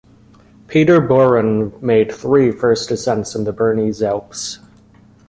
Peter Bohren made three first ascents in the Bernese Alps.